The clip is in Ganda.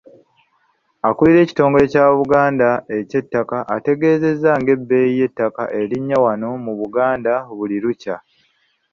Akulira ekitongole Kya Buganda eky'ettakka, ategeezezza ng'ebbeeyi y'ettaka erinnya wano mu Buganda buli lukya